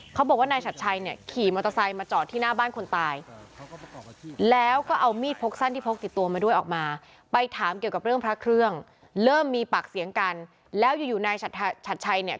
เกี่ยวกับเรื่องพระเครื่องเริ่มมีปักเสียงกันแล้วอยู่อยู่นายฉัดชัดชัดชัดชัยเนี่ย